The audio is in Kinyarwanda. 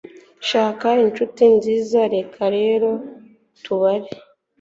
Shaka inshuti nziza Reka rero tubare